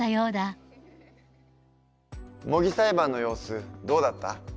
模擬裁判の様子どうだった？